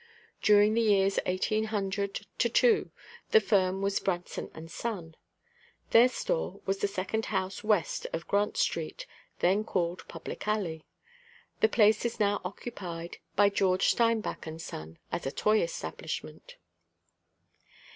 During the years 1800 2 the firm was Branson & Son; their store was the second house west of Grant street, then called Public alley; the place is now occupied by Geo. Steinbach & Son as a Toy establishment.